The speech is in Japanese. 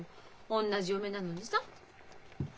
おんなじ嫁なのにさ。